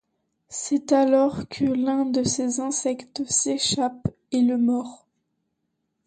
C'est alors que l'un de ces insectes s'échappe et le mord.